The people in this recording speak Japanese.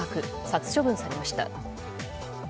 殺処分されました。